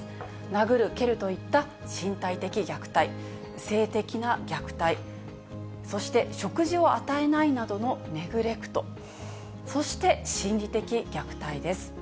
殴る、蹴るといった身体的虐待、性的な虐待、そして食事を与えないなどのネグレクト、そして心理的虐待です。